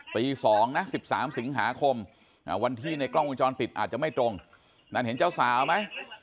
ตี๒นะ๑๓สิงหาคมวันที่ในกล้องวงจรปิดอาจจะไม่ตรงนั่นเห็นเจ้าสาวไหม